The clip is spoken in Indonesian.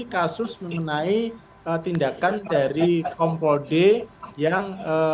kasus mengenai ketindakan dari kompo d yang